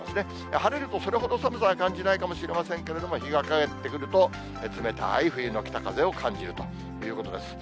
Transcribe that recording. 晴れるとそれほど寒さは感じないかもしれませんけれども、日がかげってくると、冷たい冬の北風を感じるということです。